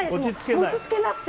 落ち着けなくて。